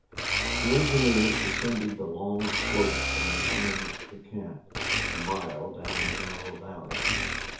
The engineers descended the long slope and returned to camp, a mile down the narrow valley.